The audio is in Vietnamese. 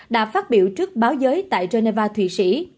đã phát biểu trước báo giới tại geneva thụy sĩ